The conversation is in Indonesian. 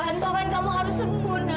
tuhan tuhan kamu harus sembuh ya